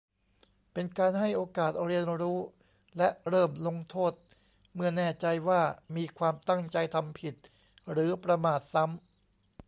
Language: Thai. เป็นการให้โอกาสเรียนรู้ และเริ่มลงโทษเมื่อแน่ใจว่ามีความตั้งใจทำผิดหรือประมาทซ้ำ